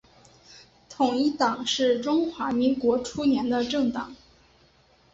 统一党是中华民国初年的政党。